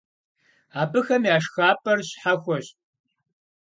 Абыхэм я шхапӀэр щхьэхуэщ.